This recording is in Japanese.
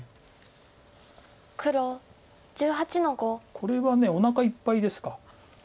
これはおなかいっぱいですか。